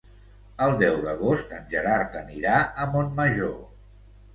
El deu d'agost en Gerard anirà a Montmajor.